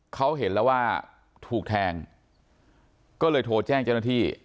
เขาเห็นแล้วว่าถูกแทงก็เลยโทรแจ้งเจ้าหน้าที่